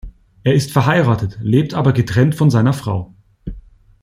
Er ist verheiratet, lebt aber getrennt von seiner Frau.